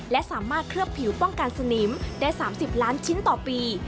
และสามารถเคลือบผิวป้องกันสนิมได้๓๐ล้านชิ้นต่อปี